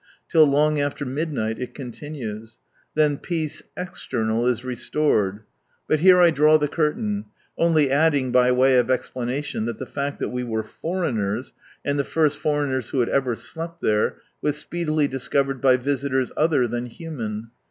Till long after midnight it continues. Then peace externa/ is re stored. But here 1 draw the curtain, only adding, by way of explanation, that the fact that we were foreigners, and the first foreigners who had ever slept there, was speedily discovered by visitors other than human.